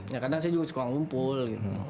ya kadang saya juga suka ngumpul gitu